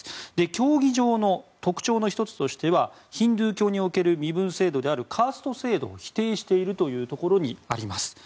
教義上の特徴の１つとしてはヒンドゥー教における身分制度であるカースト制度を否定しているところにあります。